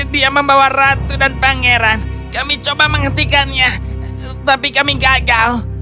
dia membawa ratu dan pangeran kami coba menghentikannya tapi kami gagal